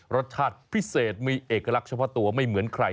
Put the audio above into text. รสชาติพิเศษมีเอกลักษณ์เฉพาะตัวไม่เหมือนใคร